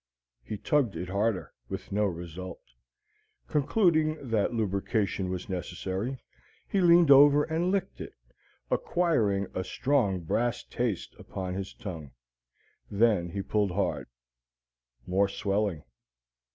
He tugged it harder, with no result. Concluding that lubrication was necessary, he leaned over and licked it, acquiring a strong brass taste upon his tongue. Then he pulled hard. More swelling.